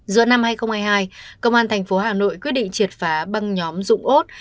giữa năm hai nghìn hai mươi hai công an tp hà nội quyết định triệt phá băng nhóm dũng út